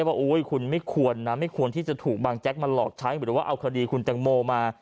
ว่าคุณไม่ควรนะไม่ควรที่จะถูกบางแจ๊กมาหลอกใช้หรือว่าเอาคดีคุณแตงโมมา